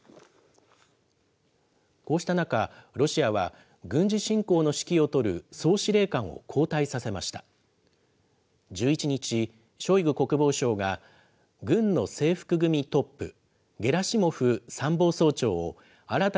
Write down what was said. こうした中、ロシアは軍事侵攻の指揮を執る総司令官を交代させました。